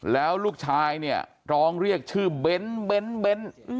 แล้วลูกชายเนี่ยร้องเรียกชื่อเบ้น